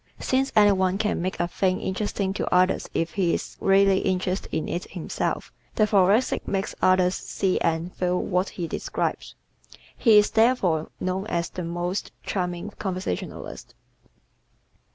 Since any one can make a thing interesting to others if he is really interested in it himself, the Thoracic makes others see and feel what he describes. He is therefore known as the most charming conversationalist.